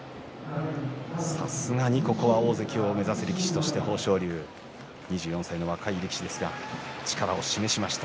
さすがにここは大関を目指す力士として豊昇龍２４歳の若い力士ですが力を示しました。